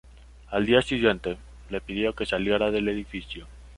Al día siguiente, le pidió que saliera del edificio.